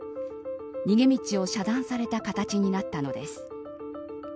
逃げ道を遮断された形になったのです。